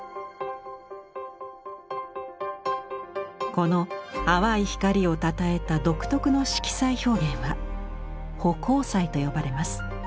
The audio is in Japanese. この淡い光をたたえた独特の色彩表現は「葆光彩」と呼ばれます。